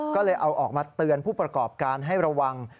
ก็เลยเอาออกมาเตือนผู้ประกอบการให้ระวัง